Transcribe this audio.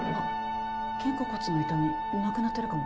肩甲骨の痛みなくなってるかも！